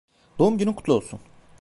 Doğum günün kutlu olsun.